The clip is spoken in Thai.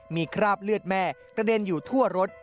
มีคราบเลือดแม่กระเด็นอยู่ทั่วรถ